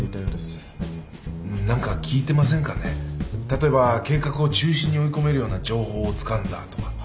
例えば計画を中止に追い込めるような情報をつかんだとか。